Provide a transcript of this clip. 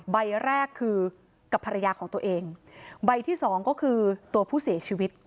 ใบแรกคือกับภรรยาของตัวเองใบที่สองก็คือตัวผู้เสียชีวิต